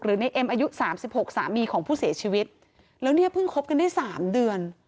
ในเอ็มอายุสามสิบหกสามีของผู้เสียชีวิตแล้วเนี่ยเพิ่งคบกันได้สามเดือน